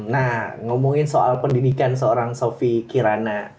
nah ngomongin soal pendidikan seorang sofie kirana